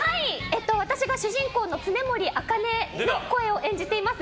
私が主人公の常守朱の声を演じてます